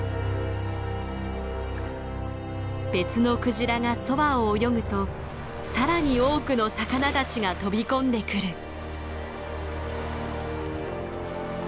別のクジラがそばを泳ぐとさらに多くの魚たちが飛び込んでくる。